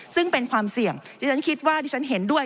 ซึ่งเป็นความเสี่ยงที่ฉันคิดว่าที่ฉันเห็นด้วย